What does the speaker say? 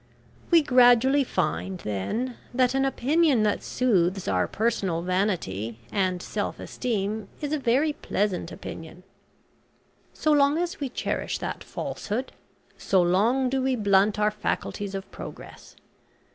We gradually find, then, that an opinion that soothes our personal vanity and self esteem is a very pleasant opinion. So long as we cherish that falsehood, so long do we blunt our faculties of progress.